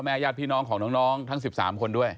พ่อแม่ยาดพี่น้องของน้องทั้ง๑๓คนด้วย